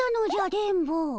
電ボ。